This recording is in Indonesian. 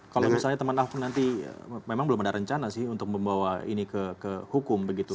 kalau misalnya teman ahok nanti memang belum ada rencana sih untuk membawa ini ke hukum begitu